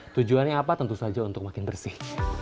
tujuannya apa tentu saja untuk makin bersih